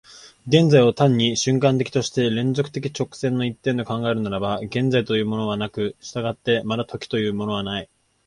現在を単に瞬間的として連続的直線の一点と考えるならば、現在というものはなく、従ってまた時というものはない。